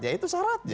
ya itu syarat